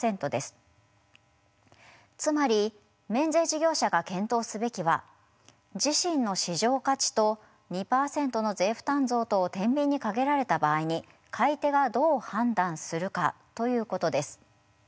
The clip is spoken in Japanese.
つまり免税事業者が検討すべきは自身の市場価値と２％の税負担増とをてんびんにかけられた場合に買い手がどう判断するかということです。